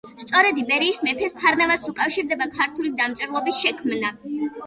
სწორედ იბერიის მეფეს ფარნავაზს უკავშირდება ქართული დამწერლობის შექმნა.